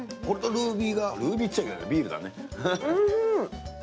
ルービーって言っちゃいけないね、ビールだね。